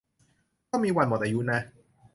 ก็มีวันหมดอายุนะ